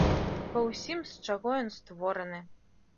Па ўсім, з чаго ён створаны.